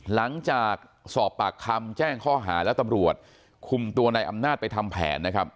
หลังจากสอบปากคำแจ้งข้อหาแล้วตำรวจคุมตัวในอำนาจไปทำแผนนะครับ